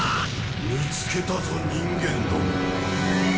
見つけたぞ人間ども。